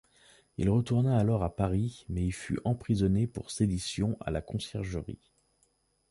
Il retourna alors à Paris, mais y fut emprisonné pour sédition à la Conciergerie.